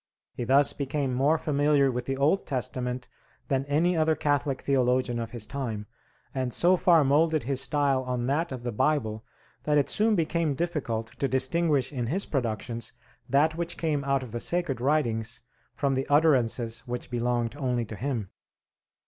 He thus became more familiar with the Old Testament than any other Catholic theologian of his time, and so far molded his style on that of the Bible that it soon became difficult to distinguish in his productions that which came out of the sacred writings from the utterances which belonged only to him.